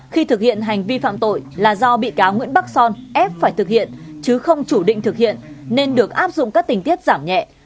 khi thực hiện hành vi phạm tội là do bị cáo nguyễn bắc son ép phải thực hiện chứ không chủ định thực hiện nên được áp dụng các tình tiết giảm nhẹ